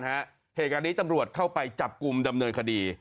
เหตุการณ์นี้ตำรวจเข้าไปจับกลุ่มดำเนินคดี